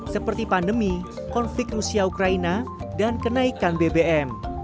seperti pandemi konflik rusia ukraina dan kenaikan bbm